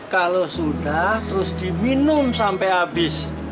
kalau sudah terus diminum sampai habis